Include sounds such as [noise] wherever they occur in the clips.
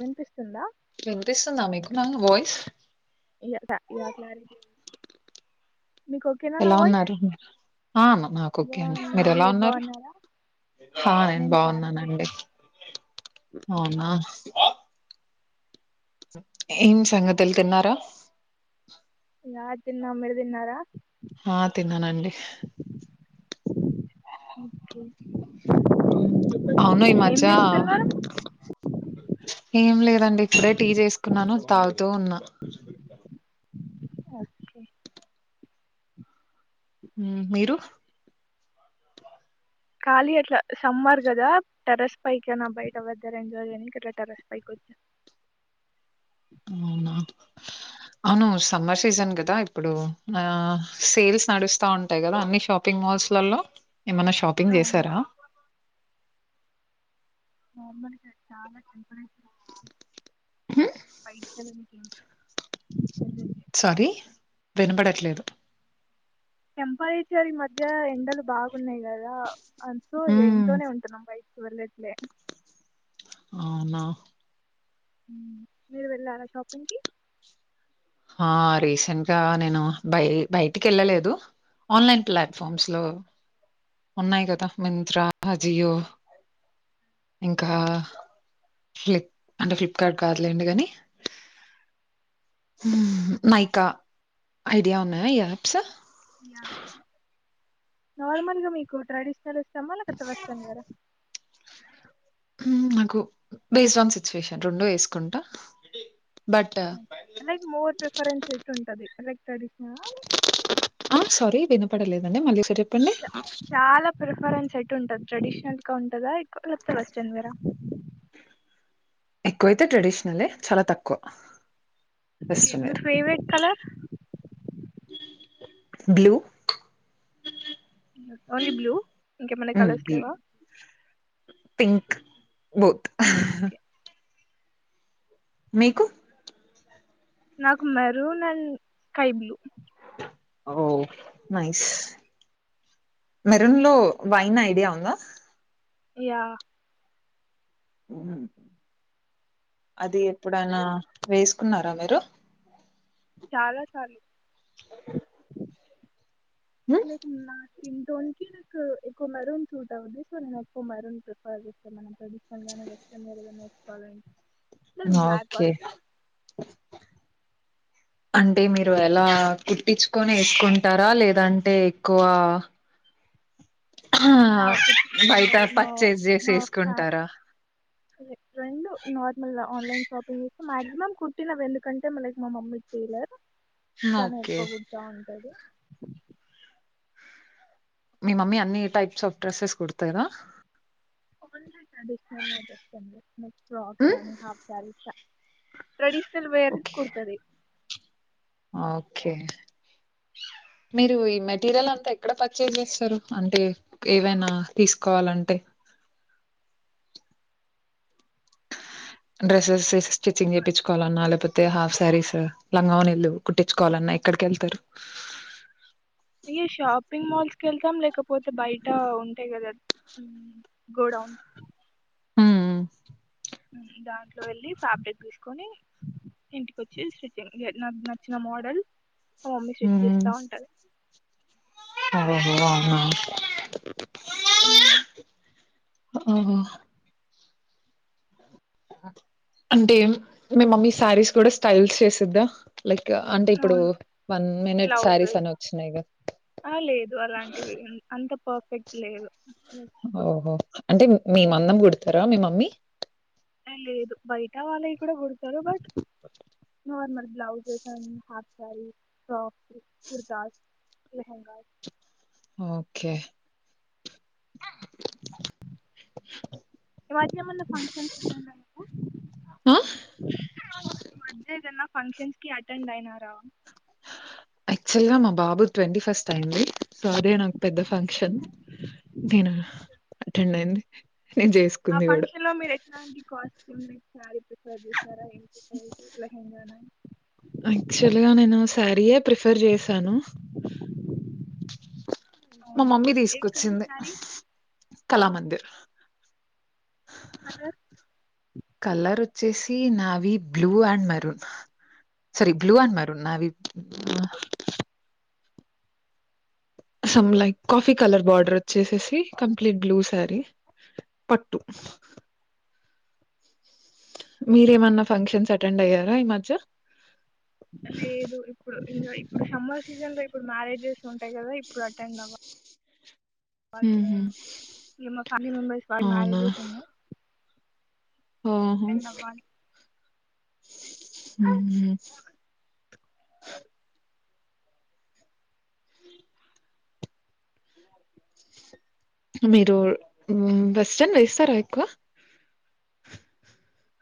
వినిపిస్తుందా నన్ను వాయిస్ ఇగ స ఇగ క్లారిటీ మీకు ఓకేనా నా ఎలా వాయిస్ ఉన్నారు అ నాకు ఓకే అండి బాగున్నా మీరు ఎలా ఉన్నారు బాగున్నారా ఆ నేను చాలా బాగున్నానండి సూపర్ అవునా ఏం సంగతులు తిన్నారా రా తిన్నాం మీరు తిన్నారా ఆ తిన్నానండి ఓకే అవును ఏం ఈమధ్య చేస్తున్నారు ఏం లేదు కదండి ఇప్పుడే టీ చేసుకున్నాను తాగుతూ ఉన్నా ఓకే మీరు ఖాళీ అట్లా సమ్మర్ కదా టెర్రస్ పైకా నా బయట వద్దరెంజ నీ ఇట్లా టెరస్ పైకి వచ్చ అవును సమ్మర్ సీజన్ కదా ఇప్పుడు సేల్స్ నడుస్తా ఉంటాయి కదా అన్ని షాపింగ్ మాల్స్లలో ఏమన్నా షాపింగ్ అవును చేశారా నార్మల్గా చాలా టెంపరేచర్ పైదనికి ఏ సారీ వినపడట్లేదు టెంపరేచర్ ఈ మధ్య ఎండలు బాగున్నాయి కదా అంతూ ఉమ్ ఇంట్లోనే ఉంటున్న బయట వెలట్లే అవునా మీరు వెళ్ళారా షాపింగ్ కి ఆ రీసెంట్గా నేను బై బయటికి ఏళ్ళలేదు ఆన్లైన్ ప్లాట్ఫామ్స్ లో ఉన్నాయి కదా మింత్రా జియో ఇంకా ఫ్లిప్ అంటే ఫ్లిప్కార్ట్ కాదులేండి కానీ నైకా ఐడియా ఉన్నాయా ఈ యాప్స్ యా నార్మల్ గా మీకు ట్రెడిషనల్ ఇస్ ష్టమా లేకపోతే వెస్ట్రన్ వేరా. ఉ నాకు బేస్డ్ ఆన్ సుచువేషన్ రెండడు వేసుకుంటా. లైక్ మోర్ ప్రిఫరెన్స్ ఎట్ ఉంటది లైక్ ట్రెడిషనల లేక్ అంట మళ్లీ సెట్ అప్ చాలా ప్రిఫరెన్స్ ట్ ఉంటది ట్రెడిషనల్ గా ఉంటద [unintelligible] వెస్ట్రన్ వేర్ ఆ ఎక్కువైతే ట్రెడిషనలే చాలా తక్కువ కేట్ వెస్టర్న్ మీ wear. Favourite colour. Blue only blue ఇంకేమన్న హ్మ్. కలర్స్ బి లేవా పింక్ బోత్ ఓకే మీకు నాకు maroon and sky blue oh nice maroon లో వైన్ ఐడియా ఉందా యా అది ఎప్పుడనా వేసుకున్నారా మీరు చాలా సార్లు [inaudible] [inaudible] స్కింటోన్కి నాకు ఎక్కువ మెరూన్ సూట్ అవదు సో నేను ఎక్కువ మెరూన్ ప్రిఫర్ చేస్తాను ఏమన్నా ట్రెడిషనల్ కానీ వెస్ట్రన్వేర్ కానీ వేసుకోవాలనీ ఓకే అంటే మీరు ఎలా కుట్టించుకొని ఏసుకుంటరా లేదంటే ఎక్కువ ఆ యా కుట్టించుకుంటా బయట లైక్ మా పర్చేస్ చేసి మా ఫ్యా ఏసుకుంటారా. రెండు నార్మల్ ఆన్లైన్ షాపింగ్ చేస్తే మాక్సిమం కుట్టినవి ఎందుకంటే మ లైక్ మామమ్మీ టేలర్. తను ఓకే ఎక్కువ కుడుతా ఉంటది [inaudible] మీ మమ్మీ అన్ని టైప్స్ ఆఫ్ డ్రెస్సెస్ కుడతారా ఆన్లైన్ ట్రెడిషనల్లో నో డ్రెస్ అండి లైక్ ఫ్రాక్స్ కానీ half saris. Traditional wear okay కుడుతది ఓకే మీరు ఈ మెటీరియల్ అంతా ఎక్కడ పర్చేస్ చేస్తారు అంటే ఏవైనా తీసుకోవాలంటే డ్రెస్సెస్ స్టిచ్చింగ్ చేపిచ్చుకోవాలన్న లేకపోతే హాఫ్ శారీస్ లంగాఓనిలు కుట్టించుకోవాలన్న ఎక్కడికి వెళ్తారు ఇగ షాపింగ్ మాల్స్ కి వెళ్తాం లేకపోతే బయట ఉంటాయి కదా మ్మ్ గోడౌన్ మ్మ్ దాంట్లో వెళ్ళి ఫాబ్రిక్ తీసుకొని ఇంటికి ఒచ్చేసి నాకు నచ్చిన మోడల్ మా మమ్మీ స్టిచ్ చేస్తా ఉంటది అరే బో అమ్మా మ్మ్ ఓహో అంటే మీ మమ్మీ సారీస్ కూడా స్టైల్స్ చేసిద్దా లైక్ అంటే ఇప్పుడు అవును వన్ మినిట్ సారీస్ బ్లౌజెస్ అని ఒచ్చినయి కదా పెట్లేదు ఓహో అంటే మిమందం కుడుతరా మీ మమ్మీ ఎ లేదు బయట వాళ్ళయి కూడా కుడుతరు but normal blouses and half saris frocks kurtas lehengas okay మ్మ్ ఈ మధ్య ఏమన్నా ఫంక్షన్స్ అటెండ్ ఆ అయ్యావా ఫంక్షన్స్కి అటెండ్ అయినార అక్చల్లగా మా బాబు ట్వంటీ ఫస్ట్ అయింది సో అదే నాకు పెద్ద ఫంక్షన్ నేను అటెండ్ అయింది నేను ఆ చేసుకుంది కూడా ఫంక్షన్ లో మీరు ఎట్లాంటి కాల్ ఎట్లుంది ఏ చారి పసది యాక్చువల్ గా నేను శారీయే ప్రిఫర్ చేశాను మా అవునా మమ్మీ ఏ కలర్ తీసుకొచ్చింది శారీ కళామందిర్ అదర్ కలర్ వచ్చేసి నావి blue and maroon sari blue and maroon నావి some like coffee colour border వచ్చేసేసి కంప్లీట్ బ్లూ శారీ పట్టు మీరేమన్నా ఫంక్షన్స్ అటెండ్ అయ్యారా ఈ మధ్య అలా లేదు ఇప్పుడు ఇంగ సమ్మర్ సీజన్ లో ఇప్పుడు మ్యారేజ్ ఉంటాయి కద ఇప్పుడు అటెండ్ అవ్వ మ్మ్హ్. వాళ్ళనేన్నా ఇంక మా ఫ్యామిలీ మెంబెర్స్ వాళ్ళు మ్యారేజెస్ ఉన్నాయి ఆహ అటెండ్ అవ్వాలి అ మీరు వెస్ట్రన్ వేస్తారా ఎక్కువ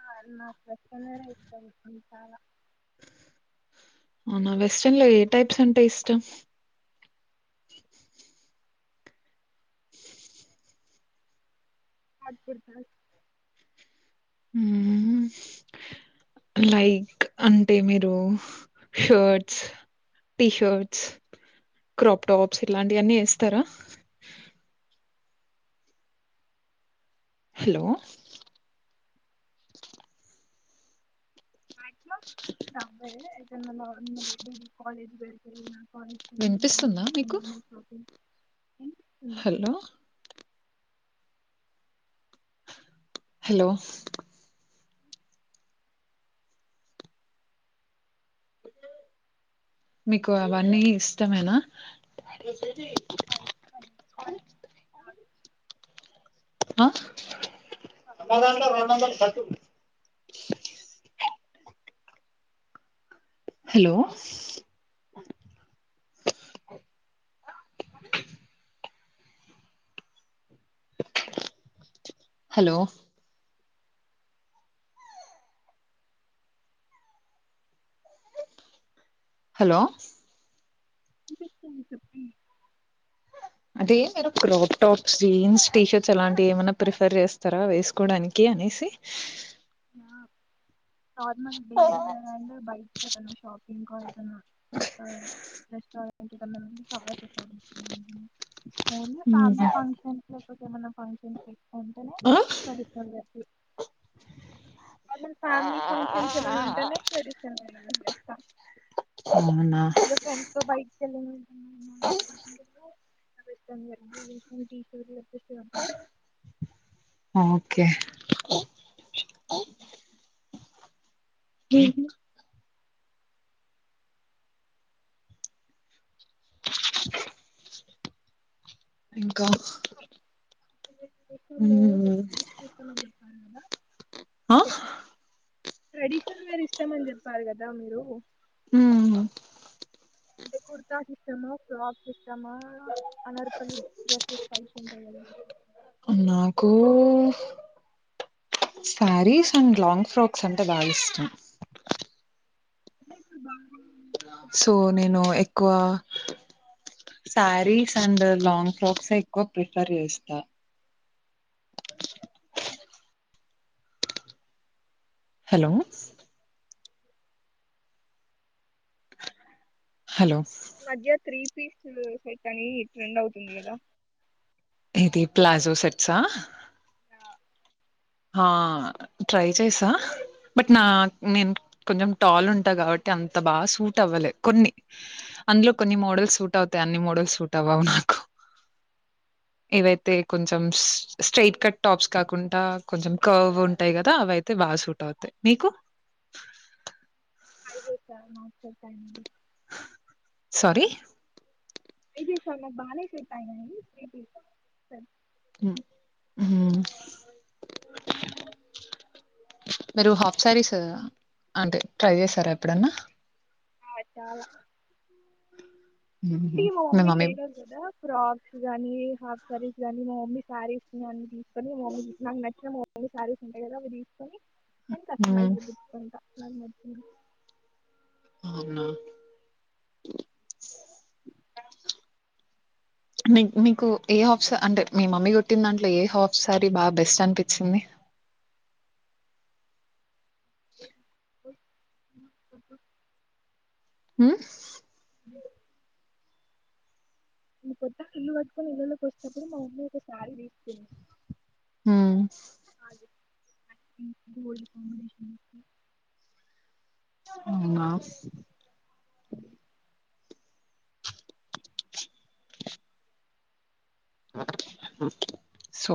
ఆ నాకున్నరయితు చాల అవునా వెస్ట్రన్ లో ఏ టైప్స్ అంతే ఇష్టం పాట్కుడుత లైక్ అంటే మీరు షర్ట్స్, టీషర్ట్స్, క్రాప్ టాప్స్ ఇలాంటి అన్నీ వేస్తారా హలో ఆ ఇగ రాబ్బే అద డి కాలేజ్ బగున్న వినిపిస్తుందా మీకు అనిపిస్తుంది హలో హలో మీకు అవన్నీ ఇష్టమేనా ఇష్టం బట్ ఆ అ రోడ్ నంబర్ స స్ హలో హలో హలో అనిపిస్తుంది చెప్పండి అంటే మీరు క్రాప్ టాప్స్, జీన్స్, టీషర్ట్స్ అలాంటివి ఏమైనా ప్రిఫర్ చేస్తారా వేసుకోవడానికి అనేసి ఆార్మ బే అ బై షాపింగ్ కాల్ కన్నా ఈ ఆ రెస్టారెంట్ కన్నా సహా ఓన్లీ ఫ్యామిలీ ఫంక్షన్స్ కి ఒక ఏమన్నా ఫంక్షన్స్ కి ఐతే అంటనే పరిసంద ఉ ప మ ఫంలీ ఫంక్షన్స్ ఏమన్నా ఆ ఉంటేనే ట్రెడిషన్ చెస్తా అవునా ఇగ ఫ్రెండ్స్తో బై కెళ్ళి వెస్ట్రన్ వేర్ టీ ఓకే ఆ హ ఇంకా మ్మ్. ఆ ట్రే ట్రెడిషనల్ వేర్ ఇష్టమని చెప్పారు కదా మీరు మ్మ్. అంటే కుర్తాస్ ఇష్టమా ఫ్రాక్స్ ఇష్టమా అనార్కలి డ్రెస్సెస్ టైప్ ఉంటాయి కదా నాకు శారీస్ అండ్ లాంగ్ ఫ్రాక్స్ అంటే బాగా ఇష్టం నికు బాగావుతు సో నేను ఎక్కువ సారీస్ అండ్ లాంగ్ ఫ్రాక్స్ ఎక్కువ ప్రిఫర్ చేస్తా అ హలో హలో ఈ మధ్య త్రీ పీస్లు సెట్ అని ట్రేన్డ్ అవుతుంది కదా ఏది ప్లాజో సెట్సా హా ట్రై చేసా బట్ నా నేను కొంచెం టాల్ ఉంటా కాబట్టి అంత బాగా సూట్ అవ్వలే కొన్ని అందులో కొన్ని మోడల్స్ సూట్ అవుతాయి అన్ని మోడల్స్ సూట్ అవ్వవు నాకు ఏవైతే కొంచెం స్ స్ట్రైట్ కట్ టాప్స్ కాకుంట కొంచెం కవ్ ఉంటాయి కదా అవయితే సూట్ అవుతాయి నీకు చెప్పండి సారీ ఇది స మ బానే సెట్ ఐందండి త్రీ పీస్ సెట్ ఉ ఊమ్ మీరు హాఫ్ సారీస్ అంటే ట్రై చేసారా ఎప్పుడన్నా ఆ చాలా ఉహు అంటే మా మీ మమ్మీ టైలర్ కదా ఫ్రాక్స్ గానీ హాఫ సారీస్ కాగానీ మా మమ్మీ సారీస్ [inaudible] నీ కానీ మా మమ్మీ నాకు నచ్చిన మ కొన్ని సారీసుంటాయి కదా అవి తీసుకొని ఎంతస్తు హ్మ్. మైజూ బట్ అంత [inaudible] [unintelligible] అవునా [unintelligible] మీ మీకు ఏ హాఫ్స అంటే మీ మమ్మీ కుట్టిన దాంట్లో ఏ హాఫ్సారీ బాగా బెస్ట్ అనిపిచింది [unintelligible] [unintelligible] ఉ [unintelligible] మీము కొత్తగా ఇల్లు కట్టుకొని ఇలల్లోకి ఒచ్చేటపుడు మా మమ్మీ ఒక శారీ తీసుకుంది ఊ ఉ గోల్డ్ కాంబినేషన్ ఉంటది అవునా [unintelligible] సో